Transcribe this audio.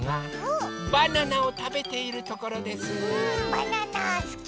バナナすき！